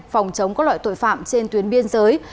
phòng chống các loại tội phạm trên tuyến biên giới